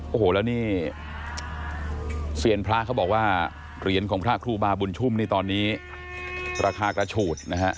โอ้โหแล้วนี่เซียนพระเขาบอกว่าเหรียญของพระครูบาบุญชุ่มนี่ตอนนี้ราคากระฉูดนะฮะ